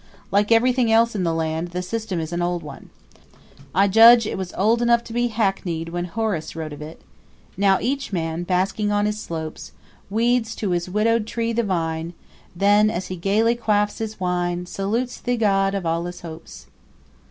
Like everything else in this land, the system is an old one. I judge it was old enough to be hackneyed when Horace wrote of it: Now each man, basking on his slopes, Weds to his widowed tree the vine; Then, as he gayly quaffs his wine, Salutes thee god of all his hopes.